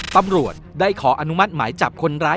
ตำรวจได้ขออนุมัติหมายจับคนร้าย